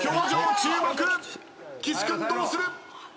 岸君どうする？